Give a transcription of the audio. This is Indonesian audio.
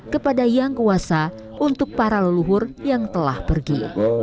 kepada yang kuasa untuk para leluhur yang telah pergi